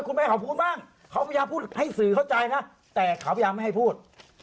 แม่เขาพูดบ้างเขาพยายามพูดให้สื่อเข้าใจนะแต่เขาพยายามไม่ให้พูด